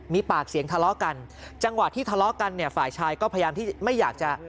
มีปากเสียงทะเลาะกันจังหวะที่ทะเลาะกันเนี่ยฝ่ายชายก็พยายามที่ไม่อยากจะ